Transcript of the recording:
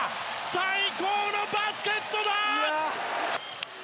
最高のバスケットだ！